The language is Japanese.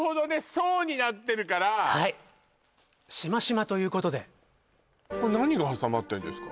層になってるからはいシマシマということでこれ何が挟まってんですか？